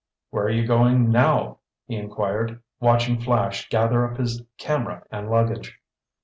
"Where are you going now?" he inquired, watching Flash gather up his camera and luggage.